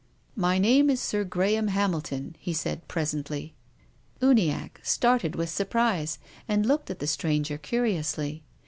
" My name is Sir Graham Hamilton," he said presently. Uniacke started with surprise and looked at the stranger curiously.